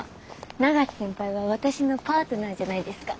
永瀬先輩は私のパートナーじゃないですか。